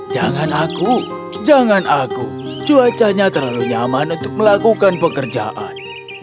jangan aku jangan aku cuacanya terlalu nyaman untuk melakukan pekerjaan